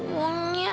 dunia sih ya